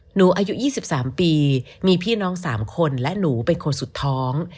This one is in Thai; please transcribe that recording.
อายุ๒๓ปีมีพี่น้อง๓คนและหนูเป็นคนสุดท้อง